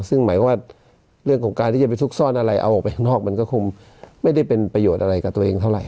ซึ่งหมายความว่าเรื่องของการที่จะไปซุกซ่อนอะไรเอาออกไปข้างนอกมันก็คงไม่ได้เป็นประโยชน์อะไรกับตัวเองเท่าไห